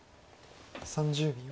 ３０秒。